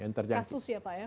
kasus ya pak ya